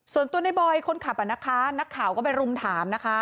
ส่วนตัวในบอยคนขับนะคะนักข่าวก็ไปรุมถามนะคะ